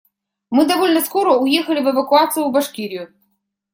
Мы довольно скоро уехали в эвакуацию в Башкирию.